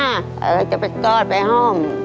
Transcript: อะเธอไปกอดไปห้อม